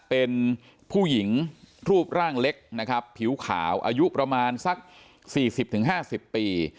เป็นผู้หญิงรูปร่างเล็กนะครับผิวขาวอายุประมาณสัก๔๐๕๐ปี